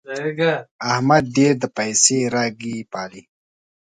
احمد ډېر د پايڅې رګی پالي.